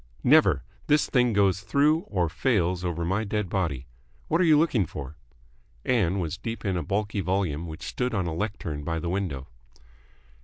"Never. This thing goes through, or fails over my dead body. What are you looking for?" Ann was deep in a bulky volume which stood on a lectern by the window.